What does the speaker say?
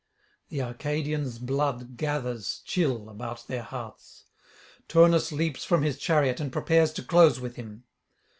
The Arcadians' blood gathers chill about their hearts. Turnus leaps from his chariot and prepares to close with him.